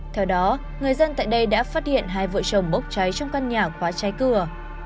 theo đó người dân tại đây đã phát hiện hai vợ chồng bốc cháy trong căn nhà khóa cháy cửa